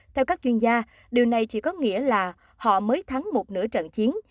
theo các chuyên gia điều này chỉ có nghĩa là họ mới thắng một nửa trận chiến